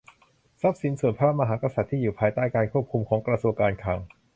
ทรัพย์สินส่วนพระมหากษัตริย์ ที่อยู่ภายใต้การควบคุมของกระทรวงการคลัง